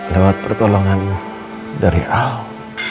lewat pertolonganmu dari allah